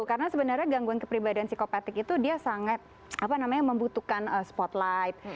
karena sebenarnya gangguan kepribadian psikopatik itu dia sangat membutuhkan spotlight